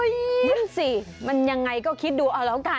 นั่นสิมันยังไงก็คิดดูเอาแล้วกัน